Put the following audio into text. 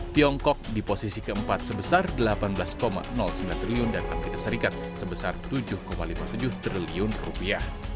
tiongkok di posisi keempat sebesar delapan belas sembilan triliun dan amerika serikat sebesar tujuh lima puluh tujuh triliun rupiah